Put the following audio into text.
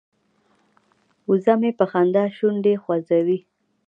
وزه مې په خندا شونډې خوځوي.